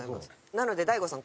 なので大悟さん